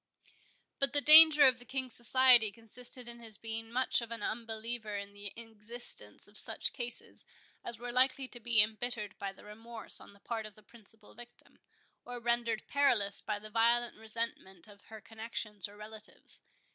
But the danger of the King's society consisted in his being much of an unbeliever in the existence of such cases as were likely to be embittered by remorse on the part of the principal victim, or rendered perilous by the violent resentment of her connexions or relatives.